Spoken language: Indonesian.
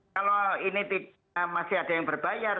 kalau ini masih ada yang berbayar